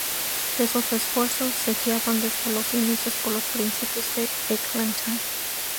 Esos esfuerzos se guiaban desde los inicios por los principios de Eglantyne.